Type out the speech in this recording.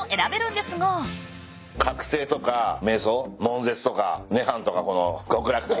「覚醒」とか「瞑想」「悶絶」とか「涅槃」とか「極楽」「天空」